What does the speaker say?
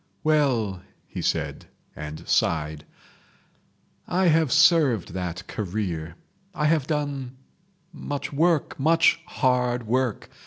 "Well", he said and sighed, "I have served that career. I have done—much work, much hard work.